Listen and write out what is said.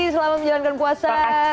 selamat menjalankan puasa